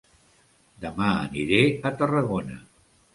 Dema aniré a Tarragona